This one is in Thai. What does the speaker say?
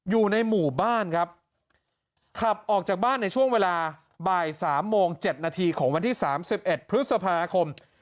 อยู่ในหมู่บ้านครับขับออกจากบ้านในช่วงเวลาบ่าย๓โมง๗นาทีของวันที่๓๑พฤษภาคม